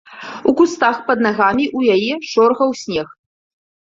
У кустах пад нагамі ў яе шорхаў снег.